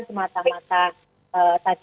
tetapi ini perlu menjadi